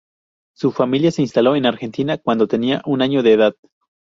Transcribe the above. Su familia se instaló en Argentina cuando tenía un año de edad.